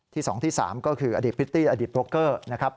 ที่๒ที่๓ก็คืออดีตพิษฎีอดีตโบรกเกอร์นะครับ